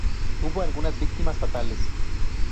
Hubo algunas víctimas fatales.